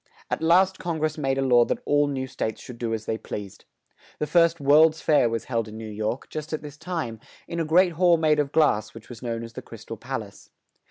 At last Con gress made a law that all new states should do as they pleased. The first "World's Fair" was held in New York, just at this time, in a great hall made of glass, which was known as "The Crys tal Pal ace."